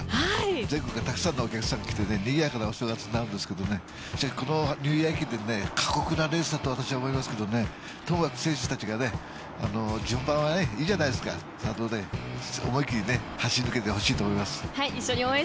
全国からたくさんのお客さんが来てにぎやかなお正月になるんですけどこのニューイヤー駅伝過酷なレースだと私は思いますけどともかく選手たちが順番はいいじゃないですか、思い切り走り抜けてほしいと思います。